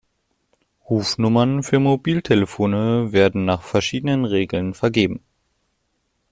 Rufnummern für Mobiltelefone werden nach verschiedenen Regeln vergeben.